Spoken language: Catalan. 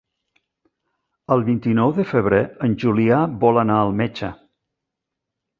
El vint-i-nou de febrer en Julià vol anar al metge.